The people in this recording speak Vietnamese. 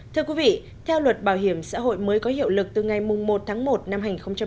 thưa quý vị theo luật bảo hiểm xã hội mới có hiệu lực từ ngày một tháng một năm hai nghìn hai mươi